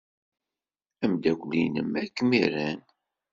Ameddakel-nnem ay kem-iran.